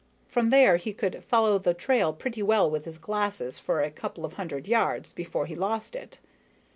From there, he could follow the trail pretty well with his glasses for a couple of hundred yards before he lost it.